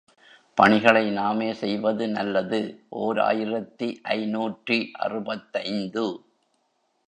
பணிகளை நாமே செய்வது நல்லது ஓர் ஆயிரத்து ஐநூற்று அறுபத்தைந்து.